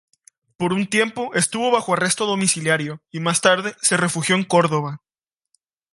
Por un tiempo estuvo bajo arresto domiciliario, y más tarde se refugió en Córdoba.